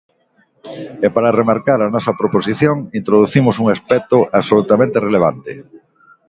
E para rematar a nosa proposición, introducimos un aspecto absolutamente relevante.